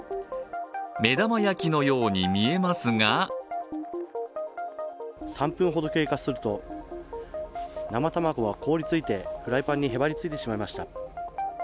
目玉焼きのように見えますが３分ほど経過すると、生卵は凍り付いてフライパンにへばりついてしまいました。